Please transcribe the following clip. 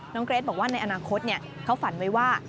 เกรทบอกว่าในอนาคตเขาฝันไว้ว่า